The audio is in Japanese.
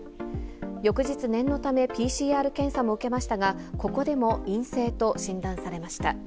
翌日、念のためＰＣＲ検査もうけましたが、ここでも陰性と診断されました。